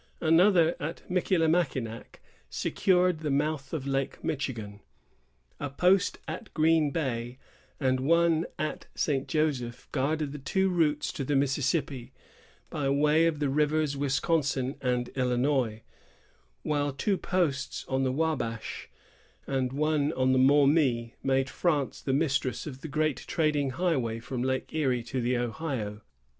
Another at Michillimackinac secured the mouth of Lake Michigan. A post at Green Bay, and one at St. Joseph, guarded the two routes to the Mississippi, by way of the rivers Wisconsin and Illinois; while two posts on the Wabash, and one on the Maumee, made France the mistress of the great trading highway from Lake Erie to the Ohio.